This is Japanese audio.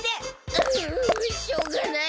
ううしょうがない。